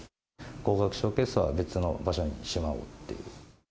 高額ショーケースは別の場所にしまうっていう。